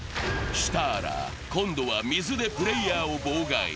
シターラ、今度は水でプレーヤーを妨害。